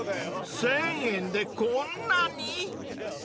［１，０００円でこんなに？］